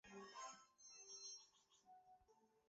ბერგმანი აღმერთებდა იტალიელი რეჟისორის რობერტო როსელინის ფილმებს.